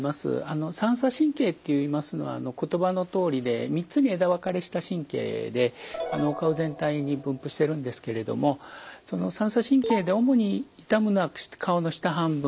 三叉神経っていいますのは言葉のとおりで３つに枝分かれした神経でお顔全体に分布しているんですけれどもその三叉神経で主に痛むのは顔の下半分。